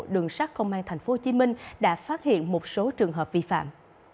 đường sát công an tp hcm đã phát hiện một số trường hợp vi phạm